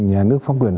nhà nước pháp quyền